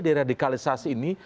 di radikalisasi ini